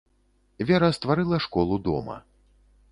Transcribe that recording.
Вера стварыла школу дома.